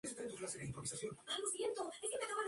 Actualmente acoge la Biblioteca y el Archivo Municipal.